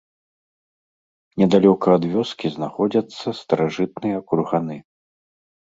Недалёка ад вёскі знаходзяцца старажытныя курганы.